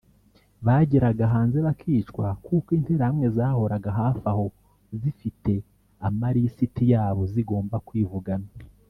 bageraga hanze bakicwa kuko Interahamwe zahoraga hafi aho zifite amalisiti yabo zigomba kwivugana